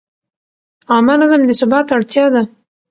عامه نظم د ثبات اړتیا ده.